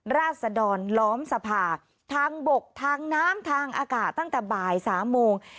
ราศดรล้อมสภาทางบกทางน้ำทางอากาศตั้งแต่บ่าย๓โมง